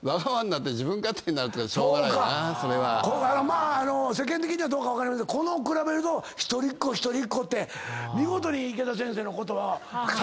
まあ世間的には分かりませんがこの比べると一人っ子一人っ子って見事に池田先生の言葉再現してるよな。